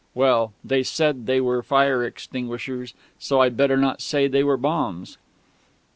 well, they said they were fire extinguishers, so I'd better not say they were bombs.